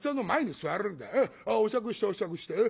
ああお酌してお酌して。